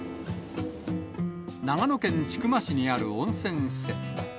長野県千曲市にある温泉施設。